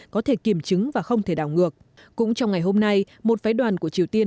có thể kiểm chứng và không thể đảo ngược cũng trong ngày hôm nay một phái đoàn của triều tiên